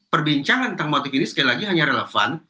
perbincangan tentang motif ini sekali lagi hanya relevan